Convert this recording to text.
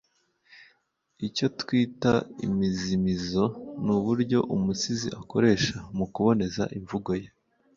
icyo twita imizimizo ni uburyo umusizi akoresha mu kuboneza imvugo ye